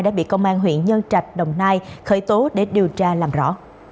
đã bị công an huyện nhân trạch đồng nai khởi tố để điều tra làm rõ